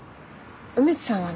梅津さんはね